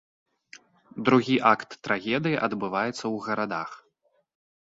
Другі акт трагедыі адбываецца ў гарадах.